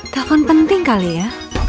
telepon penting kali ya